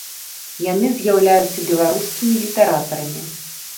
Яны з'яўляюцца беларускімі літаратарамі!